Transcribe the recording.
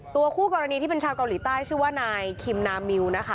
คู่กรณีที่เป็นชาวเกาหลีใต้ชื่อว่านายคิมนามิวนะคะ